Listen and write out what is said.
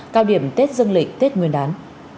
cao điểm tết dân lịnh tết nguyên đán